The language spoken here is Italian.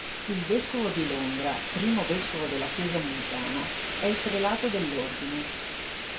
Il Vescovo di Londra, primo vescovo della Chiesa Anglicana, è il prelato dell'Ordine.